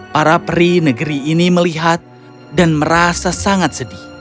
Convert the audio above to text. para peri negeri ini melihat dan merasa sangat sedih